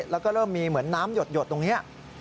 แล้วก็เริ่มมีเหมือนน้ำหยดตรงนี้